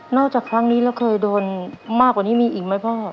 จากครั้งนี้แล้วเคยโดนมากกว่านี้มีอีกไหมพ่อ